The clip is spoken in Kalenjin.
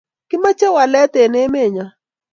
Kimache walet eng' emet nyo.